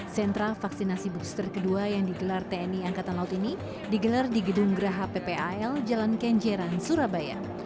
sentra vaksinasi booster kedua yang digelar tni angkatan laut ini digelar di gedung geraha ppal jalan kenjeran surabaya